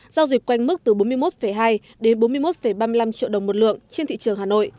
giao dịch quanh mức từ bốn mươi một hai đến bốn mươi một ba mươi năm triệu đồng một lượng trên thị trường hà nội